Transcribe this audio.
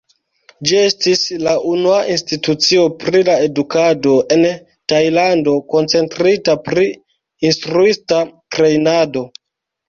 Ĝi estis la unua institucio pri la edukado en Tajlando, koncentrita pri instruista trejnado.